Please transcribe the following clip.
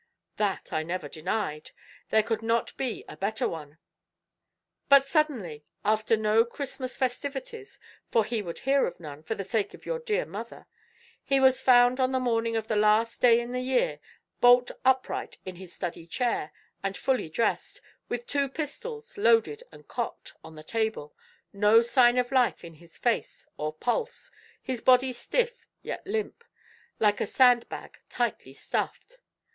"That I never denied. There could not be a better one." "But suddenly, after no Christmas festivities (for he would hear of none, for the sake of your dear mother), he was found on the morning of the last day in the year bolt upright in his study chair, and fully dressed, with two pistols, loaded and cocked, on the table, no sign of life in his face or pulse, his body stiff yet limp, like a sand bag tightly stuffed.